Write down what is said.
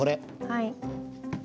はい。